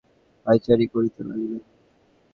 প্রসাদ পাইয়া সকলে বাগানে পায়চারি করিতে লাগিলেন।